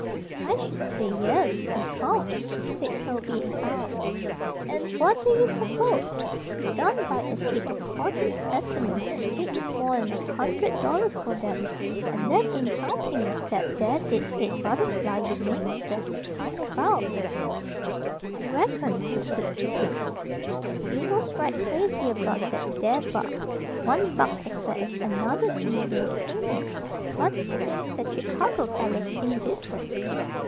"I sh'd say 'yes'! He come," said Toby, in awe. "An' what d'ye s'pose? He done buyed a heap of Corson's spec'mens an' paid him more'n a hundred dollars for 'em. And that ain't countin' that there dead head butterfly ye made sech a time about. "I reckoned," pursued Toby, "that you was right crazy about that there bug. One bug's as bad as another to my way of thinkin'. But it seems that Chicago feller thinked dif'rent."